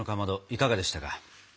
いかがでしたか？